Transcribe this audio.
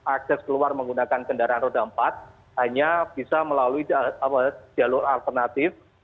akses keluar menggunakan kendaraan roda empat hanya bisa melalui jalur alternatif